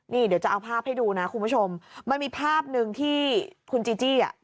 นี่เดี๋ยวจะเอาภาพให้ดูนะคุณผู้ชมมันมีภาพหนึ่งที่คุณจีจี้อ่ะ